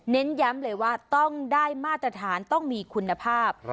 ย้ำเลยว่าต้องได้มาตรฐานต้องมีคุณภาพ